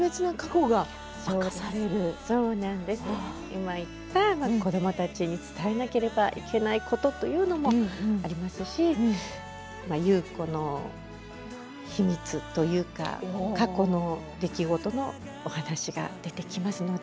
今、言った子どもたちに伝えなければいけないことというのもありますし優子の秘密というか過去の出来事のお話が来週は出てきます。